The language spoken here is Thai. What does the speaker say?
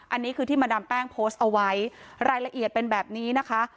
อันนี้คือที่มาดามแป้งโพสต์เอาไว้รายละเอียดเป็นแบบนี้นะคะ